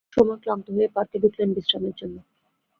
একসময় ক্লান্ত হয়ে পার্কে ঢুকলেন বিশ্রামের জন্যে।